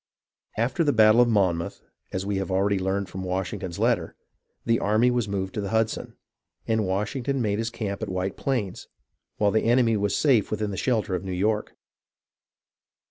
After the battle of Monmouth, as we have already learned from Washington's letter, the army was moved to the Hudson ; and Washington made his camp at White Plains, while his enemy was safe within the shelter of New York.